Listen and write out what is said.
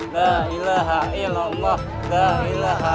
t week saya pacar saja